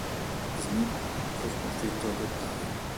M. Smith, fu sconfitto agli ottavi.